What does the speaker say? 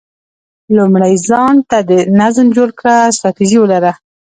لومړی ځان ته نظم جوړ کړه، ستراتیژي ولره،